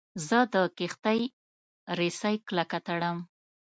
زه د کښتۍ رسۍ کلکه تړم.